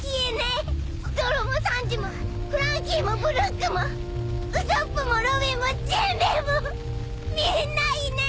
ゾロもサンジもフランキーもブルックもウソップもロビンもジンベエもみんないねえ！